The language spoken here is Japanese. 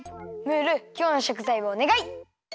ムールきょうのしょくざいをおねがい！